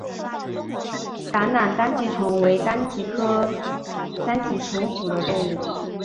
橄榄单极虫为单极科单极虫属的动物。